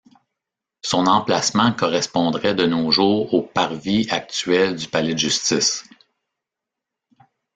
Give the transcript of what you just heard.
Son emplacement correspondrait de nos jours au parvis actuel du palais de Justice.